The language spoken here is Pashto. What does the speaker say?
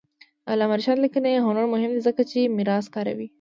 د علامه رشاد لیکنی هنر مهم دی ځکه چې میراث کاروي.